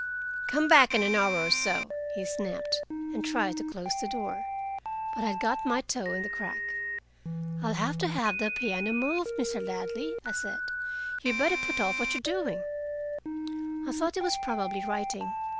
"Come back in an hour or so," he snapped, and tried to close the door. But I had got my toe in the crack. "I'll have to have the piano moved, Mr. Ladley," I said. "You'd better put off what you are doing." I thought he was probably writing.